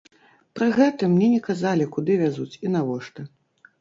Пры гэтым мне не казалі, куды вязуць і навошта.